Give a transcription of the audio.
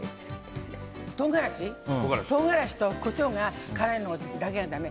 唐辛子とコショウが辛いのだけがだめ。